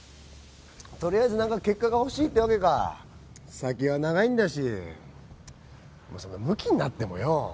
とりあえず何か結果が欲しいってわけか先は長いんだしそんなムキになってもよ